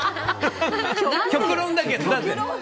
極論だけど。